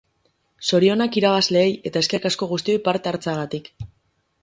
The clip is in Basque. Zorionak irabazleei eta eskerrik asko guztioi parte hartzeagatik!